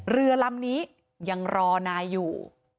เรือลำนี้ยังรอนายอยู่